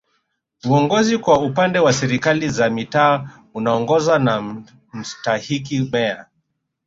Uongozi kwa upande wa Serikali za Mitaa unaongozwa na Mstahiki Meya